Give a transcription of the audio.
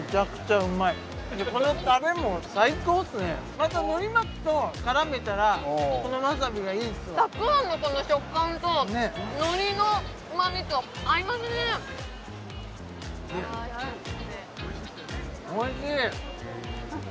また海苔巻きと絡めたらこのわさびがいいんすよたくあんのこの食感と海苔の旨みと合いますねおいしい！